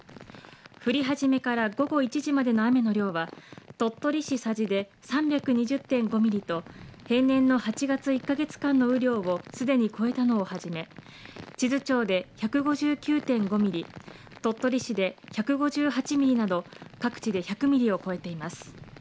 降り始めから午後１時までの雨の量は鳥取市佐治で３２０．５ミリと平年の８月１か月間の雨量をすでに超えたのをはじめ、智頭町で１５９．５ミリ、鳥取市で１５８ミリなど各地で１００ミリを超えています。